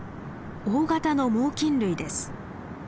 大型の猛きん類です。